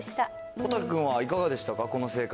小瀧君はいかがでしたか、この生活。